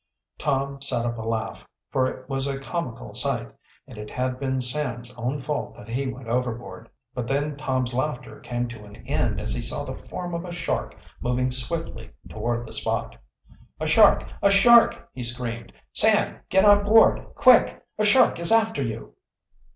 Tom set up a laugh, for it was a comical sight, and it had been Sam's own fault that he went overboard. But then Tom's laughter came to an end as he saw the form of a shark moving swiftly toward the spot. "A shark! a shark!" he screamed. "Sam, get on board, quick! A shark is after you!"